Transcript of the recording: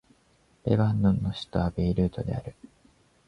レバノンの首都はベイルートである